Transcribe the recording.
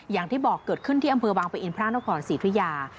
อย่างที่บอกเกิดขึ้นที่อำเภอบางปะอินพระนครศรีธุยา